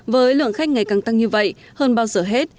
với lượng khách ngày càng tăng như vậy hơn bao giờ hết